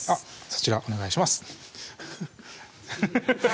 そちらお願いします